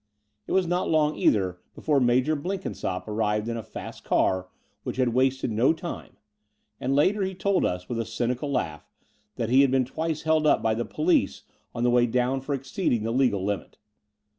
It was not long, either, before Major Blenkin sopp arrived on a fast car which had wasted no time; and later he told us, with a cynical laugh, that he had been twice held up by the police on the way down for exceeding the legal limit.